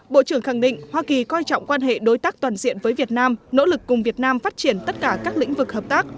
bộ trưởng khẳng định hoa kỳ coi trọng quan hệ đối tác toàn diện với việt nam nỗ lực cùng việt nam phát triển tất cả các lĩnh vực hợp tác